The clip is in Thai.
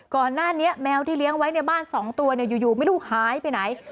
ก่อนหน้านี้แมวที่เลี้ยงไว้ในบ้าน๒ตัวอยู่ไม่รู้หายไปไหน